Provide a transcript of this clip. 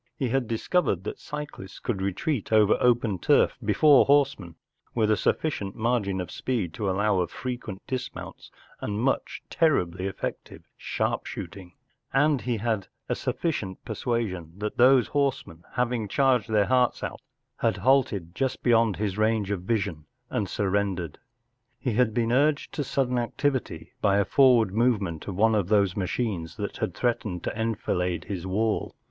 He had discovered that cyclists could retreat over open turf before horsemen with a sufficient margin of speed to UNIVERSITY OF MICHIGAN THE LAND IRONCLADS. 763 allow of frequent dismounts and much terribiy efleetive sharpshooting ; and he had a sufficient persuasion that those horsemen, having charged their hearts out, had halted just beyond his range of vision and surren¬ dered. He had l>een urged to sudden activity by a forward movement of one of those machines that had threatened to enfilade his wall.